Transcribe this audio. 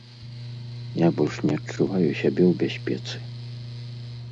Я больш не адчуваю сябе ў бяспецы.